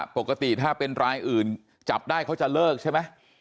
ปกติถ้าเป็นรายอื่นจับได้เขาจะเลิกใช่ไหม